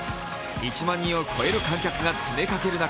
１万人を超える観客が詰めかける中